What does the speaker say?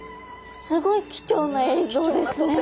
すごい貴重な映像ですね。